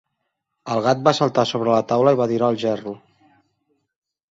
El gat va saltar sobre la taula i va tirar el gerro.